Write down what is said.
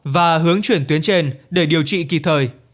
và hướng chuyển tuyến trên để điều trị kịp thời